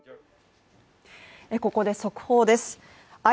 ここで速報です。